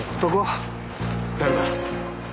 誰だ？